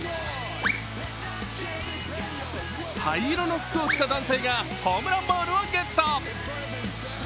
灰色の服を着た男性がホームランボールをゲット。